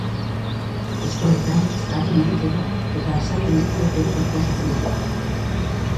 Eskoletan, zaharren egoitzetan eta saio irekiak ere proposatzen ditu.